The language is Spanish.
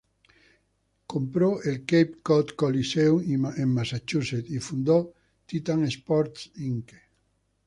Él compró el Cape Cod Coliseum en Massachusetts y fundó Titan Sports, Inc.